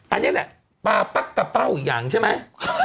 อันนี้แหละปลาปั๊กกะเป้าอีกอย่างใช่ไหม